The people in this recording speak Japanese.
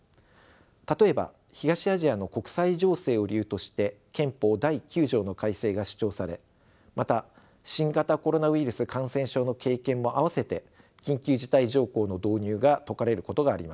例えば東アジアの国際情勢を理由として憲法第９条の改正が主張されまた新型コロナウイルス感染症の経験も併せて緊急事態条項の導入が説かれることがあります。